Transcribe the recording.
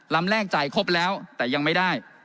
ลำแรกจ่ายครบแล้วแต่ยังไม่ได้